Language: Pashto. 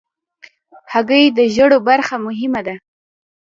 هګۍ د ژیړو برخه مهمه ده.